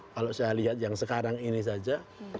kalau saya lihat yang sekarang ini saja